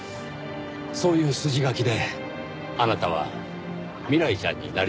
そういう筋書きであなたは未来ちゃんになりすました。